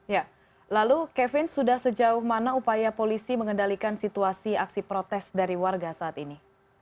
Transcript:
ya lalu kevin sudah sejauh mana upaya polisi mengendalikan situasi aksi protes dari warga saat ini